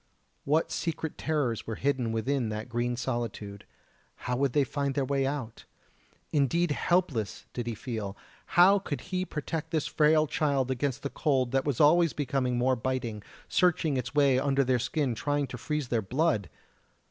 What secret terrors were hidden within that green solitude? How would they find their way out? Indeed helpless did he feel; how could he protect this frail child against the cold that was always becoming more biting, searching its way under their skin trying to freeze their blood!